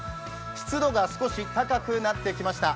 湿度が少し高くなってきました。